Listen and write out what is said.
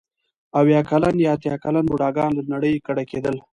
اوه کلن یا اتیا کلن بوډاګان له نړۍ کډه کېدل.